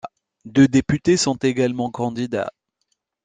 Deux députés sont également candidats.